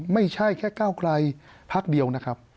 ไม่ใช่แค่ก้าวไกลพักเดียวนะครับ